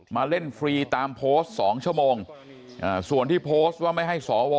มาเล่นฟรีตามโพสต์๒ชั่วโมงส่วนที่โพสต์ว่าไม่ให้สว